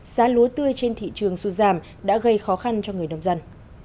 giá lúa tươi trên thị trường sụt giảm đã gây khó khăn cho người nông dân